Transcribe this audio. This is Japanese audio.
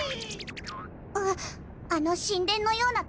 あっあの神殿のような建物！